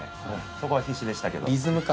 そこは必死でしたけど。